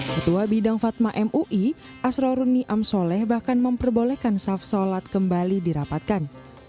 ketua bidang fatma mui asroruni amsoleh bahkan memperbolehkan saf sholat kembali dirapatkan